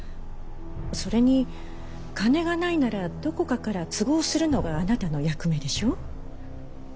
それに金がないならどこかから都合するのがあなたの役目でしょう。